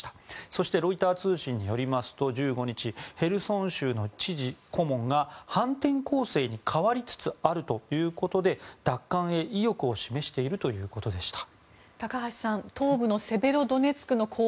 そしてロイター通信によりますと１５日ヘルソン州の知事顧問が反転攻勢に変わりつつあるということで奪還へ意欲を示しているということでした。